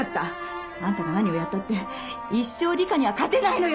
あんたが何をやったって一生里香には勝てないのよ